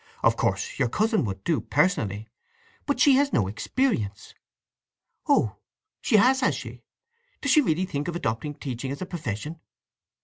"Of course your cousin would do, personally; but she has had no experience. Oh—she has, has she? Does she really think of adopting teaching as a profession?"